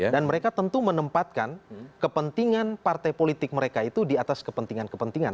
dan mereka tentu menempatkan kepentingan partai politik mereka itu di atas kepentingan kepentingan